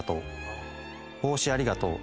「帽子ありがとう。